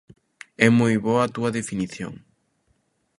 É moi boa a túa definición.